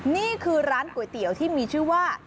นี่คือร้านก๋วยเตี๋ยวที่มีชื่อว่า